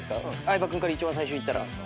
相葉君から一番最初行ったら。